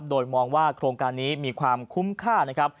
โดยมองว่าโครงการนี้มีความคุ้มค่านะครับ